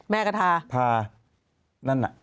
แม่กระทาพานั่นน่ะ